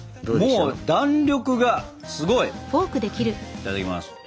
いただきます。